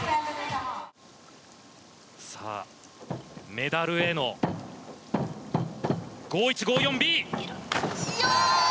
メダルへの５１５４Ｂ！